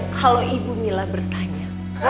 kalau ibu mila bertanya